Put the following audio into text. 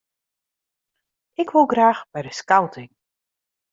Ik wol graach by de skouting.